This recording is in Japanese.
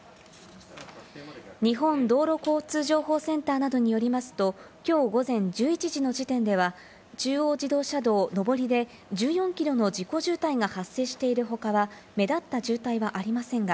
日本道路交通情報センターなどによりますと、今日午前１１時の時点では、中央自動車道上りで１４キロの事故渋滞が発生しているほかは目立った渋滞はありませんが、